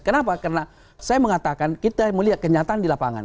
kenapa karena saya mengatakan kita melihat kenyataan di lapangan